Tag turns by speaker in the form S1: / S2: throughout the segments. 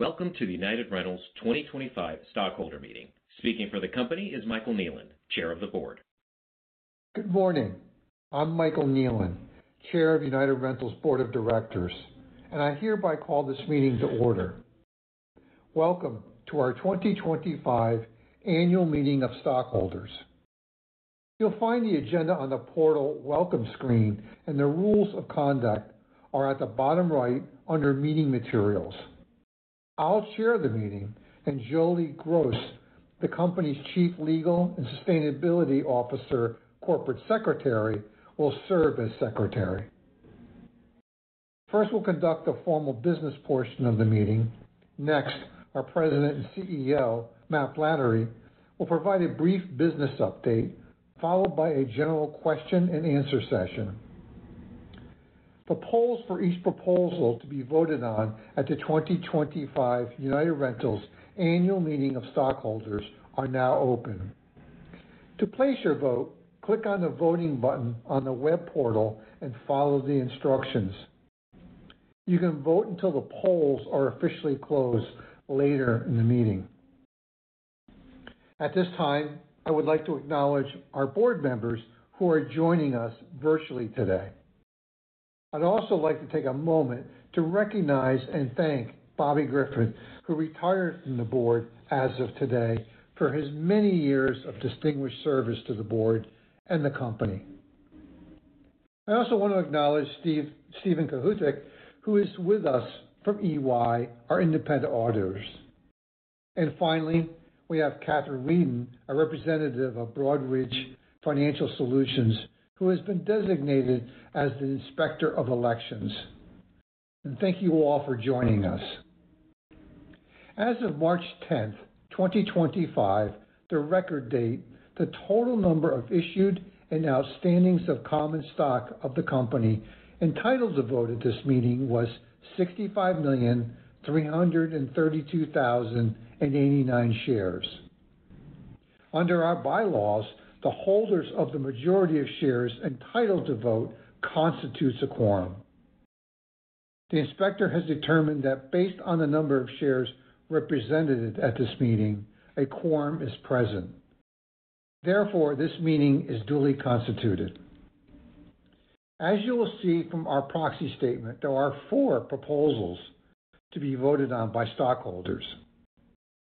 S1: Welcome to the United Rentals 2025 stockholder meeting. Speaking for the company is Michael Kneeland, Chair of the Board.
S2: Good morning. I'm Michael Kneeland, Chair of United Rentals Board of Directors, and I hereby call this meeting to order. Welcome to our 2025 annual meeting of stockholders. You'll find the agenda on the portal welcome screen, and the rules of conduct are at the bottom right under meeting materials. I'll chair the meeting, and Joli Gross, the company's Chief Legal and Sustainability Officer, Corporate Secretary, will serve as Secretary. First, we'll conduct the formal business portion of the meeting. Next, our President and CEO, Matt Flannery, will provide a brief business update, followed by a general question-and-answer session. The polls for each proposal to be voted on at the 2025 United Rentals annual meeting of stockholders are now open. To place your vote, click on the voting button on the web portal and follow the instructions. You can vote until the polls are officially closed later in the meeting. At this time, I would like to acknowledge our board members who are joining us virtually today. I'd also like to take a moment to recognize and thank Bobby Griffin, who retired from the board as of today, for his many years of distinguished service to the board and the company. I also want to acknowledge Stephen Kohudic, who is with us from EY, our independent auditors. And finally, we have Catherine Wheaton, a representative of Broadridge Financial Solutions, who has been designated as the Inspector of Elections. And thank you all for joining us. As of March 10th, 2025, the record date, the total number of issued and outstanding our common stock of the company entitled to vote at this meeting was 65,332,089 shares. Under our bylaws, the holders of the majority of shares entitled to vote constitutes a quorum. The Inspector has determined that based on the number of shares represented at this meeting, a quorum is present. Therefore, this meeting is duly constituted. As you will see from our proxy statement, there are four proposals to be voted on by stockholders.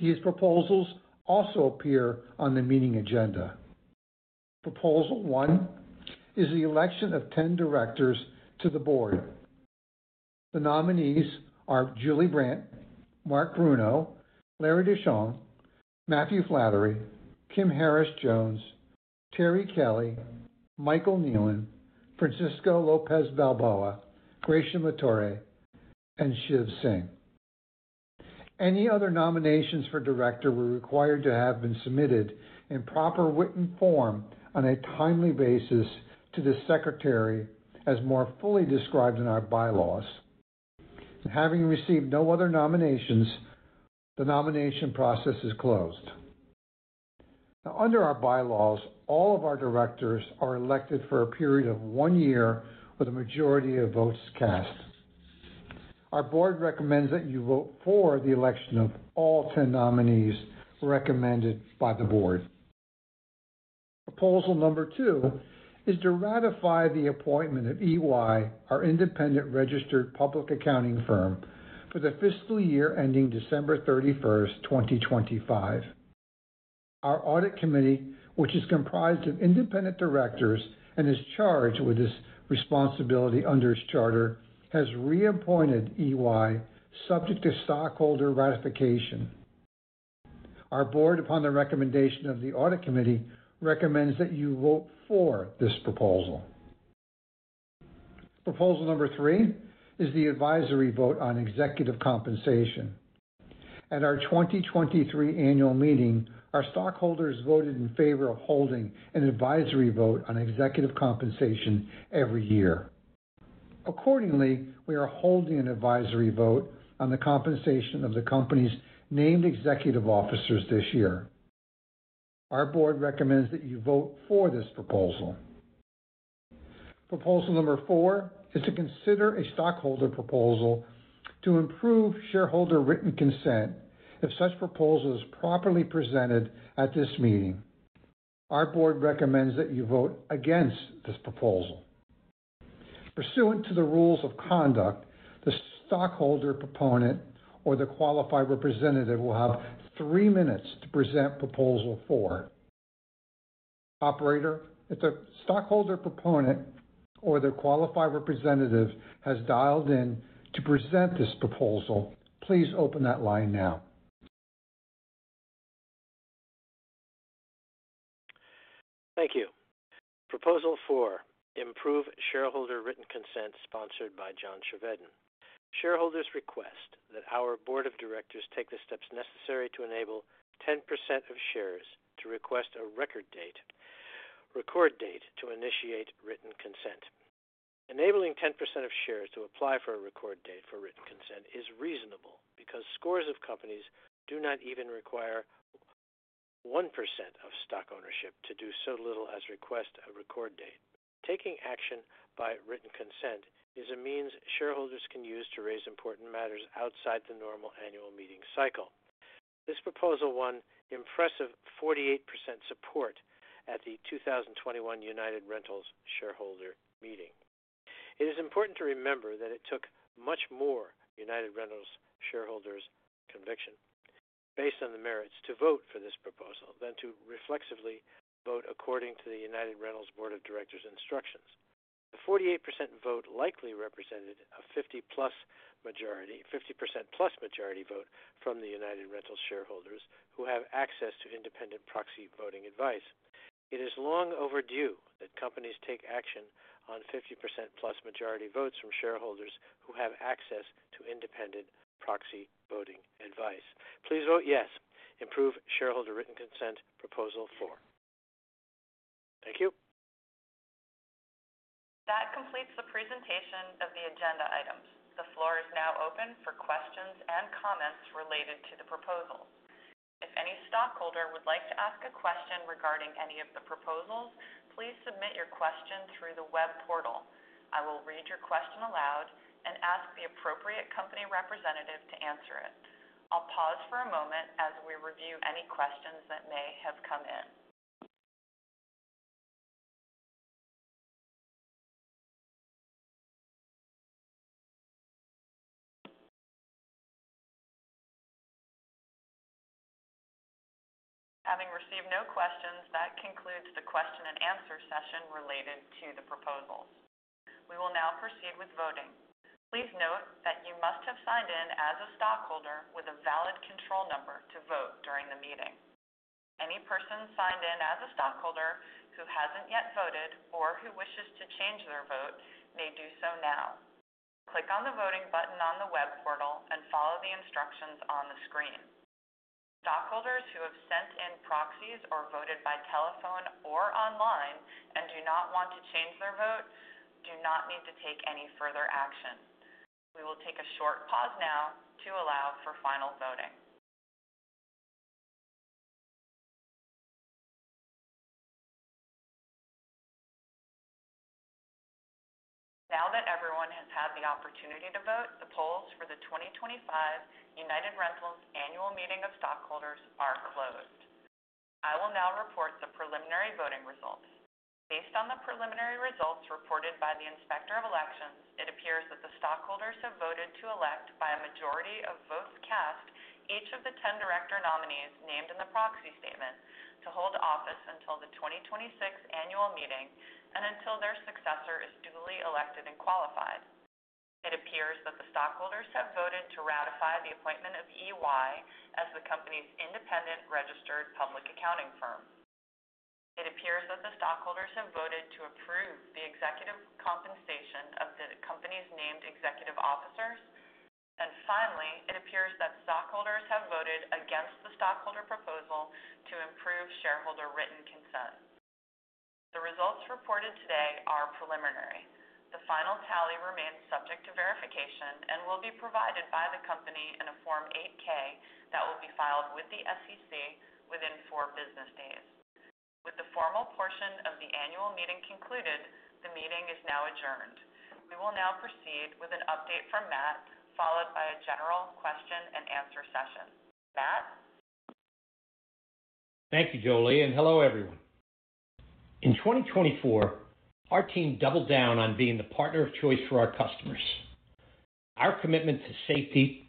S2: These proposals also appear on the meeting agenda. Proposal one is the election of 10 directors to the board. The nominees are Julie Grant, Marc Bruno, Larry De Shon, Matthew Flannery, Kim Harris Jones, Terri Kelly, Michael Kneeland, Francisco J. Lopez-Balboa, Gracia C. Martore, and Shiv Singh. Any other nominations for director were required to have been submitted in proper written form on a timely basis to the Secretary, as more fully described in our bylaws. Having received no other nominations, the nomination process is closed. Now, under our bylaws, all of our directors are elected for a period of one year with a majority of votes cast. Our board recommends that you vote for the election of all 10 nominees recommended by the board. Proposal number two is to ratify the appointment of EY, our independent registered public accounting firm, for the fiscal year ending December 31st, 2025. Our audit committee, which is comprised of independent directors and is charged with this responsibility under its charter, has reappointed EY, subject to stockholder ratification. Our board, upon the recommendation of the audit committee, recommends that you vote for this proposal. Proposal number three is the advisory vote on executive compensation. At our 2023 annual meeting, our stockholders voted in favor of holding an advisory vote on executive compensation every year. Accordingly, we are holding an advisory vote on the compensation of the company's named executive officers this year. Our board recommends that you vote for this proposal. Proposal number four is to consider a stockholder proposal to improve shareholder written consent if such proposal is properly presented at this meeting. Our board recommends that you vote against this proposal. Pursuant to the rules of conduct, the stockholder proponent or the qualified representative will have three minutes to present proposal four. Operator, if the stockholder proponent or the qualified representative has dialed in to present this proposal, please open that line now.
S1: Thank you. Proposal four, improve shareholder written consent, sponsored by John Chevedden. Shareholders request that our board of directors take the steps necessary to enable 10% of shares to request a record date to initiate written consent. Enabling 10% of shares to apply for a record date for written consent is reasonable because scores of companies do not even require 1% of stock ownership to do so little as request a record date. Taking action by written consent is a means shareholders can use to raise important matters outside the normal annual meeting cycle. This proposal won impressive 48% support at the 2021 United Rentals shareholder meeting. It is important to remember that it took much more United Rentals shareholders' conviction based on the merits to vote for this proposal than to reflexively vote according to the United Rentals board of directors' instructions. The 48% vote likely represented a 50%+ majority vote from the United Rentals shareholders who have access to independent proxy voting advice. It is long overdue that companies take action on 50%+ majority votes from shareholders who have access to independent proxy voting advice. Please vote yes. Improve shareholder written consent proposal four. Thank you.
S3: That completes the presentation of the agenda items. The floor is now open for questions and comments related to the proposal. If any stockholder would like to ask a question regarding any of the proposals, please submit your question through the web portal. I will read your question aloud and ask the appropriate company representative to answer it. I'll pause for a moment as we review any questions that may have come in. Having received no questions, that concludes the question-and-answer session related to the proposals. We will now proceed with voting. Please note that you must have signed in as a stockholder with a valid control number to vote during the meeting. Any person signed in as a stockholder who hasn't yet voted or who wishes to change their vote may do so now. Click on the voting button on the web portal and follow the instructions on the screen. Stockholders who have sent in proxies or voted by telephone or online and do not want to change their vote do not need to take any further action. We will take a short pause now to allow for final voting. Now that everyone has had the opportunity to vote, the polls for the 2025 United Rentals annual meeting of stockholders are closed. I will now report the preliminary voting results. Based on the preliminary results reported by the Inspector of Elections, it appears that the stockholders have voted to elect by a majority of votes cast each of the 10 director nominees named in the proxy statement to hold office until the 2026 annual meeting and until their successor is duly elected and qualified. It appears that the stockholders have voted to ratify the appointment of EY as the company's independent registered public accounting firm. It appears that the stockholders have voted to approve the executive compensation of the company's named executive officers. And finally, it appears that stockholders have voted against the stockholder proposal to improve shareholder written consent. The results reported today are preliminary. The final tally remains subject to verification and will be provided by the company in a Form 8-K that will be filed with the SEC within four business days. With the formal portion of the annual meeting concluded, the meeting is now adjourned. We will now proceed with an update from Matt, followed by a general question-and-answer session. Matt?
S1: Thank you, Joli, and hello, everyone. In 2024, our team doubled down on being the partner of choice for our customers. Our commitment to safety,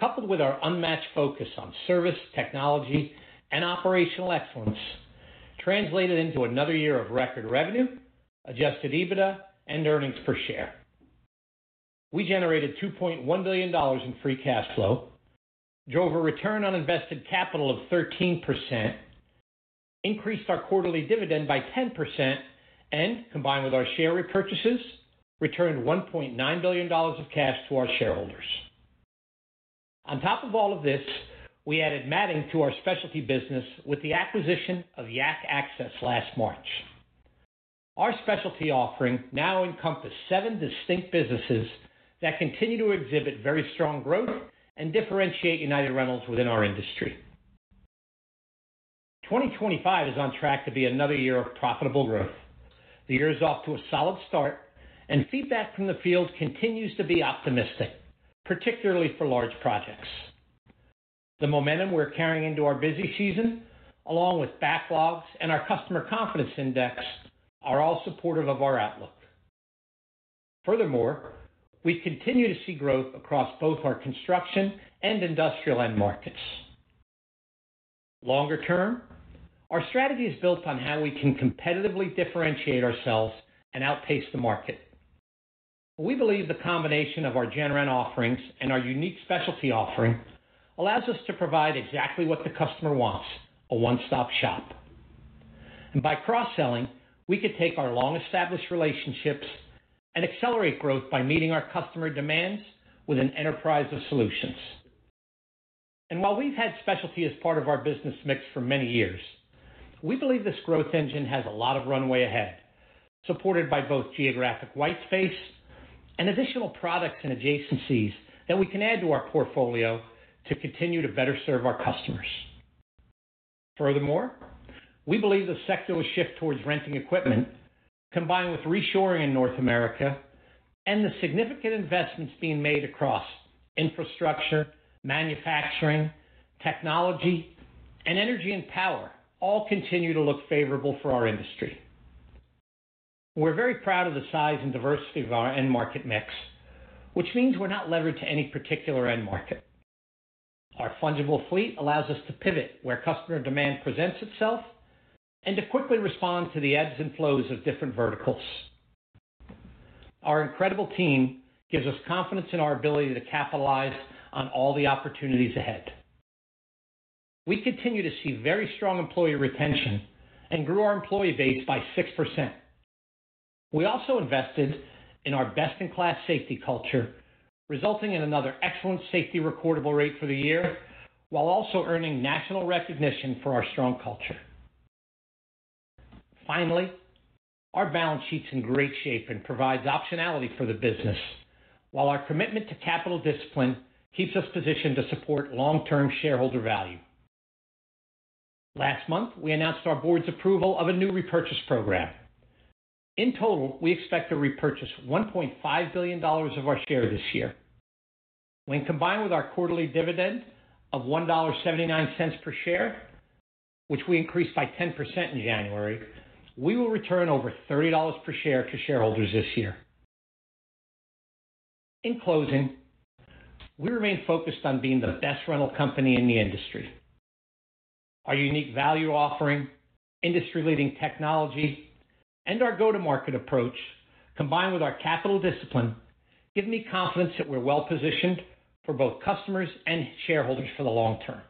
S1: coupled with our unmatched focus on service, technology, and operational excellence, translated into another year of record revenue, Adjusted EBITDA, and earnings per share. We generated $2.1 billion in free cash flow, drove a return on invested capital of 13%, increased our quarterly dividend by 10%, and combined with our share repurchases, returned $1.9 billion of cash to our shareholders. On top of all of this, we added matting to our specialty business with the acquisition of Yak Access last March. Our specialty offering now encompasses seven distinct businesses that continue to exhibit very strong growth and differentiate United Rentals within our industry. 2025 is on track to be another year of profitable growth. The year is off to a solid start, and feedback from the field continues to be optimistic, particularly for large projects. The momentum we're carrying into our busy season, along with backlogs and our Customer Confidence Index, are all supportive of our outlook. Furthermore, we continue to see growth across both our construction and industrial end markets. Longer term, our strategy is built on how we can competitively differentiate ourselves and outpace the market. We believe the combination of our general offerings and our unique specialty offering allows us to provide exactly what the customer wants: a one-stop shop. And by cross-selling, we could take our long-established relationships and accelerate growth by meeting our customer demands with an enterprise of solutions. While we've had specialty as part of our business mix for many years, we believe this growth engine has a lot of runway ahead, supported by both geographic white space and additional products and adjacencies that we can add to our portfolio to continue to better serve our customers. Furthermore, we believe the sector will shift towards renting equipment, combined with reshoring in North America, and the significant investments being made across infrastructure, manufacturing, technology, and energy and power all continue to look favorable for our industry. We're very proud of the size and diversity of our end market mix, which means we're not levered to any particular end market. Our fungible fleet allows us to pivot where customer demand presents itself and to quickly respond to the ebbs and flows of different verticals. Our incredible team gives us confidence in our ability to capitalize on all the opportunities ahead. We continue to see very strong employee retention and grew our employee base by 6%. We also invested in our best-in-class safety culture, resulting in another excellent safety recordable rate for the year, while also earning national recognition for our strong culture. Finally, our balance sheet's in great shape and provides optionality for the business, while our commitment to capital discipline keeps us positioned to support long-term shareholder value. Last month, we announced our board's approval of a new repurchase program. In total, we expect to repurchase $1.5 billion of our shares this year. When combined with our quarterly dividend of $1.79 per share, which we increased by 10% in January, we will return over $30 per share to shareholders this year. In closing, we remain focused on being the best rental company in the industry. Our unique value offering, industry-leading technology, and our go-to-market approach, combined with our capital discipline, give me confidence that we're well-positioned for both customers and shareholders for the long term.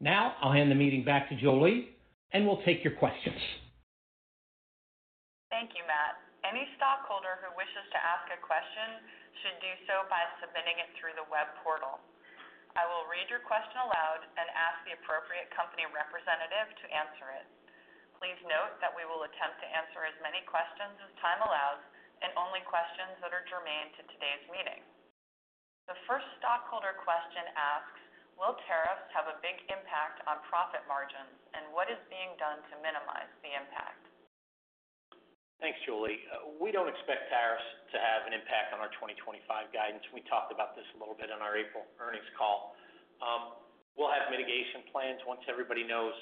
S1: Now, I'll hand the meeting back to Joli, and we'll take your questions.
S4: Thank you, Matt. Any stockholder who wishes to ask a question should do so by submitting it through the web portal. I will read your question aloud and ask the appropriate company representative to answer it. Please note that we will attempt to answer as many questions as time allows and only questions that are germane to today's meeting. The first stockholder question asks, "Will tariffs have a big impact on profit margins, and what is being done to minimize the impact?
S1: Thanks, Joli. We don't expect tariffs to have an impact on our 2025 guidance. We talked about this a little bit in our April earnings call. We'll have mitigation plans once everybody knows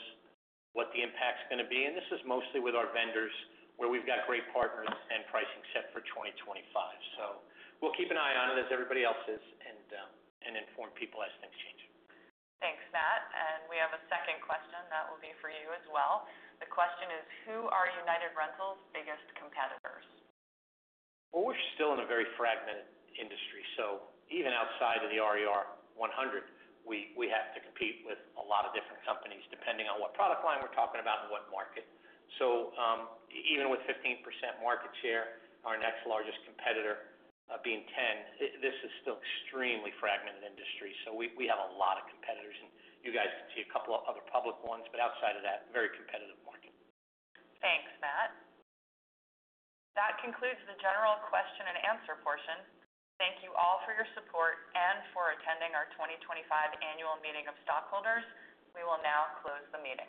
S1: what the impact's going to be, and this is mostly with our vendors where we've got great partners and pricing set for 2025, so we'll keep an eye on it as everybody else is and inform people as things change.
S4: Thanks, Matt. And we have a second question that will be for you as well. The question is, "Who are United Rentals' biggest competitors?
S1: We're still in a very fragmented industry. So even outside of the RER 100, we have to compete with a lot of different companies depending on what product line we're talking about and what market. So even with 15% market share, our next largest competitor being 10%, this is still an extremely fragmented industry. So we have a lot of competitors, and you guys can see a couple of other public ones, but outside of that, a very competitive market.
S4: Thanks, Matt. That concludes the general question-and-answer portion. Thank you all for your support and for attending our 2025 annual meeting of stockholders. We will now close the meeting.